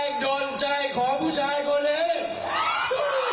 ฝ่ายคาดของประชาชนมีประโยชน์มากกว่ารัฐบาลแห่งชาติ